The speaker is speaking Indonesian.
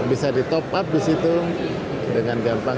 bisa di top up di situ dengan gampang